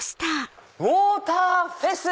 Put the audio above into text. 「ウォーターフェス」！